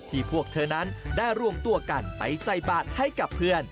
พวกเธอนั้นได้รวมตัวกันไปใส่บาทให้กับเพื่อน